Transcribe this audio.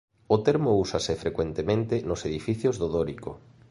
O termo úsase frecuentemente nos edificios do dórico.